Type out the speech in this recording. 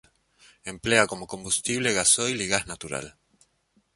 Emplea como combustible gasoil y gas natural.